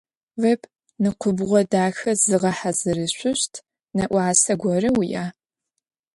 Веб нэкӏубгъо дахэ зыгъэхьазырышъущт нэӏуасэ горэ уиӏа?